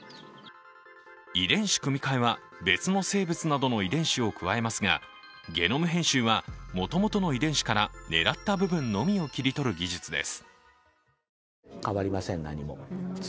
遺伝子組み換えは別の生物などの遺伝子を加えますが、ゲノム編集はもともとの遺伝子から狙った部分のみを切り取る技術です。